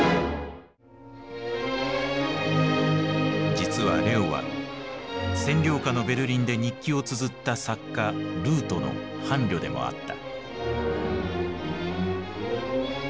実はレオは占領下のベルリンで日記をつづった作家ルートの伴侶でもあった。